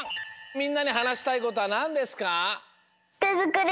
みんなにはなしたいことはなんですか。